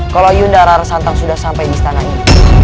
kalau yunda rara santan sudah sampai di istana ini